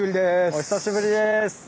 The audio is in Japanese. お久しぶりです。